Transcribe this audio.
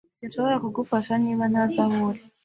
Sinshobora kugufasha niba ntazi aho uri.